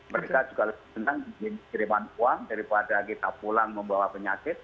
mereka juga lebih senang kiriman uang daripada kita pulang membawa penyakit